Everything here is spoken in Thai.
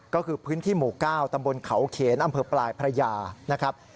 ก็คือพื้นที่หมู่๙ตำบลเขาเขนอำเภอปลายพระยานะครับ